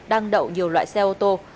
đang đậu nhiều loại xe ô tô